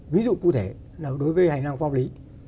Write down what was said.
ví dụ cụ thể là đối với hành năng pháp lý